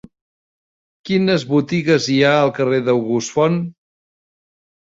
Quines botigues hi ha al carrer d'August Font?